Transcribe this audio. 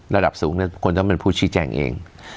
ระดับสูงเนี่ยควรจะเป็นผู้ชี้แจงเอง